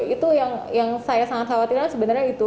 itu yang saya sangat khawatirkan sebenarnya itu